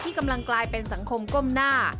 กำลังกลายเป็นสังคมก้มหน้า